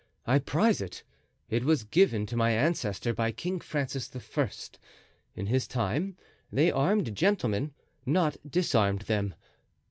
I prize it—it was given to my ancestor by King Francis I. In his time they armed gentlemen, not disarmed them.